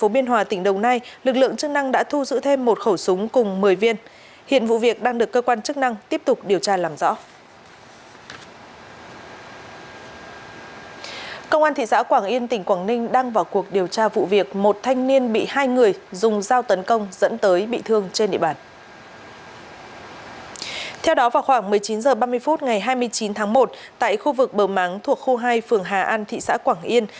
bây giờ ba mươi phút ngày hai mươi chín tháng một tại khu vực bờ mắng thuộc khu hai phường hà an thị xã quảng yên